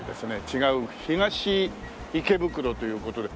違う東池袋という事で。